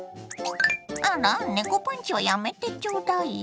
あら猫パンチはやめてちょうだいよ。